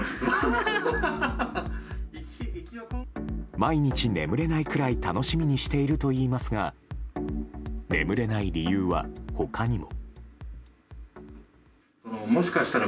毎日眠れないくらい楽しみにしているといいますが眠れない理由は他にも。